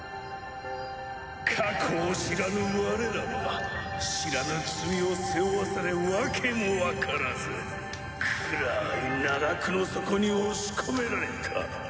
過去を知らぬ我らは知らぬ罪を背負わされ訳もわからず暗い奈落の底に押し込められた。